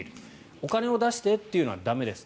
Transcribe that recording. お金を出してと言うのは駄目です。